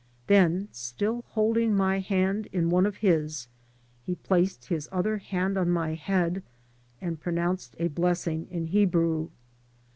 Then, still holding my hand in one of his, he placed his other hand on my head and pronounced a blessing in Hebrew.